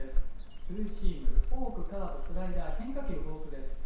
ツーシームフォーク、カーブ、スライダー変化球、豊富です。